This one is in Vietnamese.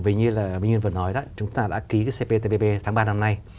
vì như mình vừa nói đó chúng ta đã ký cái cptpp tháng ba năm nay